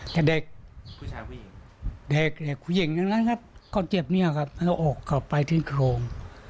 แต่เด็กเด็กเด็กผู้หญิงนั้นนะครับก็เจ็บเนี่ยครับมันก็ออกกลับไปถึงโครง